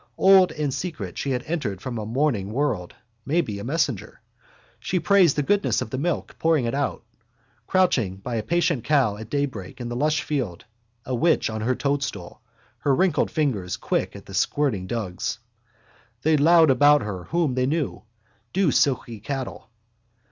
Old and secret she had entered from a morning world, maybe a messenger. She praised the goodness of the milk, pouring it out. Crouching by a patient cow at daybreak in the lush field, a witch on her toadstool, her wrinkled fingers quick at the squirting dugs. They lowed about her whom they knew, dewsilky cattle.